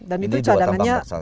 ini dua tambang besar